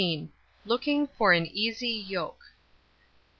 LOOKING FOR AN EASY YOKE.